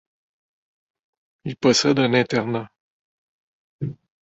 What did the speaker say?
Il possède un internat.